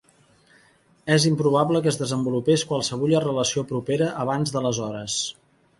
És improbable que es desenvolupés qualsevulla relació propera abans d'aleshores.